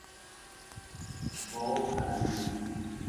Bou a la Vila!.